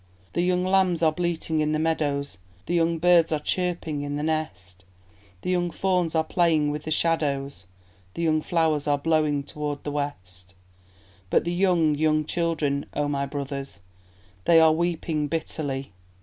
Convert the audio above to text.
The young lambs are bleating in the meadows, The young birds are chirping in the nest, The young fawns are playing with the shadows, The young flowers are blowing toward the west But the young, young children, O my brothers, They are weeping bitterly!